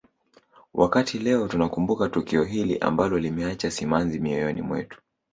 Wakati leo tunakumbuka tukio hili ambalo limeacha simanzi mioyoni mwetu